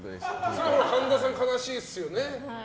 それは神田さん悲しいですよね。